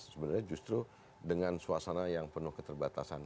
sebenarnya justru dengan suasana yang penuh keterbatasan